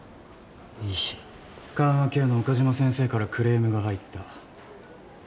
緩和ケアの岡島先生からクレームが入った。